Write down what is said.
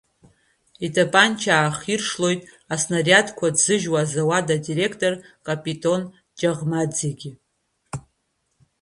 Итапанча аахаиршалоит аснариадқәа ҭзыжьуа азауад адиреқтор Капитон Џьаӷмаӡегьы.